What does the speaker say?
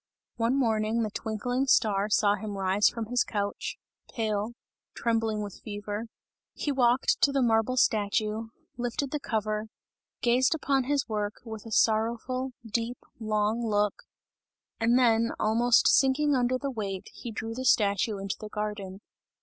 One morning, the twinkling star saw him rise from his couch pale trembling with fever; he walked to the marble statue, lifted the cover, gazed upon his work with a sorrowful, deep, long look, and then almost sinking under the weight, he drew the statue into the garden.